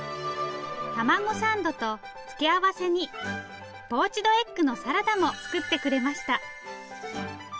たまごサンドと付け合わせにポーチドエッグのサラダも作ってくれました。